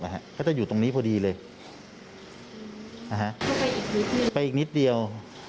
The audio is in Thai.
อ่ะฮะก็จะอยู่ตรงนี้พอดีเลยอ่าฮะไปอีกนิดเดียว